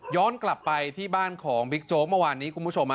กลับไปที่บ้านของบิ๊กโจ๊กเมื่อวานนี้คุณผู้ชม